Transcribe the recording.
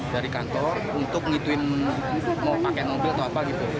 dari kantor untuk ngituin mau pakai mobil atau apa gitu